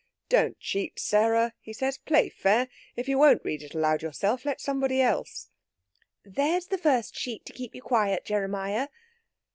"Don't cheat, Sarah!" he says. "Play fair! If you won't read it aloud yourself, let somebody else." "There's the first sheet to keep you quiet, Jeremiah!"